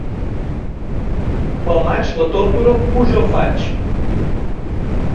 Pel maig la tórtora puja al faig.